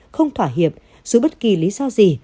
không thỏa hiệp dưới bất kỳ lý do gì